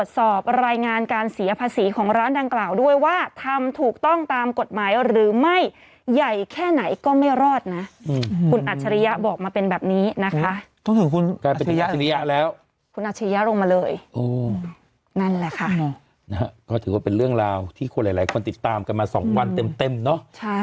ไหนก็ไม่รอดนะคุณอัจฉริยะบอกมาเป็นแบบนี้นะคะต้องถึงคุณอัจฉริยะแล้วคุณอัจฉริยะลงมาเลยนั่นแหละค่ะก็ถือว่าเป็นเรื่องราวที่คนหลายคนติดตามกันมาสองวันเต็มเนาะใช่